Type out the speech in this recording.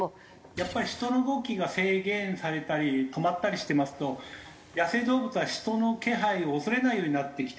やっぱり人の動きが制限されたり止まったりしてますと野生動物は人の気配を恐れないようになってきて。